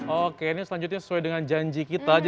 oke ini selanjutnya sesuai dengan janji kita aja